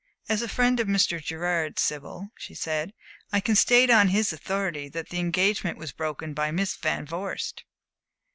"As a friend of Mr. Gerard's, Sibyl," she said, "I can state on his authority that the engagement was broken by Miss Van Vorst."